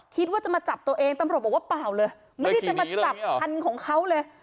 คิดว่าจะมาจับตัวเองตำรวจบอกว่าเปล่าเลยไม่ได้จะมาจับคันของเขาเลย